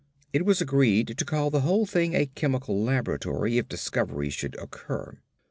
It was agreed to call the whole thing a chemical laboratory if discovery should occur.